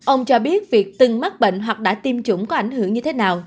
ông cho biết việc từng mắc bệnh hoặc đã tiêm chủng có ảnh hưởng như thế nào